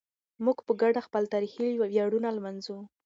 موږ په ګډه خپل تاریخي ویاړونه لمانځو.